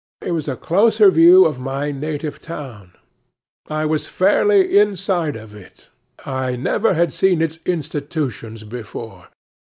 It was a closer view of my native town. I was fairly inside of it. I never had seen its institutions before.